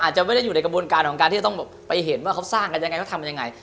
อาจจะอยู่ในกระบวนการที่จะไปเห็นว่าเขาสร้างกันยังไงก็ทำยังไง